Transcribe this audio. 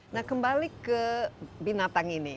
nah kembali ke binatang ini